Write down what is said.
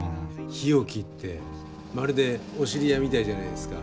日置ってまるでお知り合いみたいじゃないですか。